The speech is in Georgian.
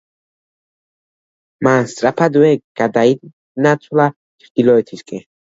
მან სწრაფადვე გადაინაცვლა ჩრდილოეთისკენ.